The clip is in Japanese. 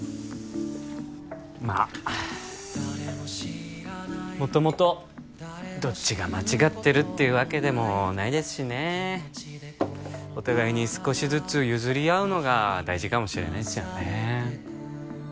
まあもともとどっちが間違ってるっていうわけでもないですしねお互いに少しずつ譲り合うのが大事かもしれないっすよね